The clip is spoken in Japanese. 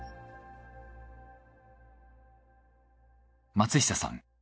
松下さん